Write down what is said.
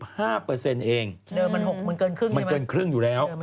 มันเกินครึ่งใช่ไหมมันเกินครึ่งอยู่แล้ว